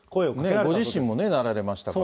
ご自身もなられましたから。